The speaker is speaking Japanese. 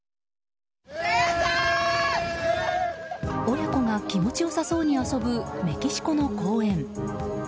親子が気持ち良さそうに遊ぶメキシコの公園。